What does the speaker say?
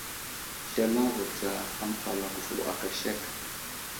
Slemeŋ vo tsa aməhwalako vo aka sek.